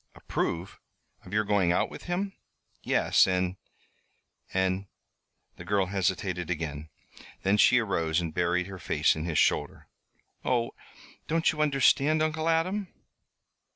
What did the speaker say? "Approve? Of your going out with him?" "Yes, and and " The girl hesitated again. Then she arose and buried her face on his shoulder. "Oh! don't you understand, Uncle Adam?"